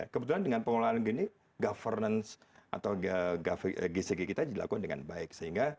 kebetulan dengan pengelolaan gini governance atau gcg kita dilakukan dengan baik